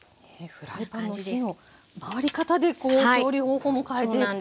フライパンの火の回り方で調理方法も変えていくという。